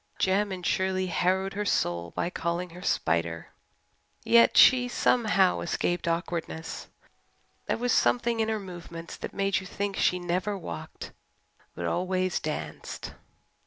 Jem and Shirley harrowed her soul by calling her "Spider." Yet she somehow escaped awkwardness. There was something in her movements that made you think she never walked but always danced.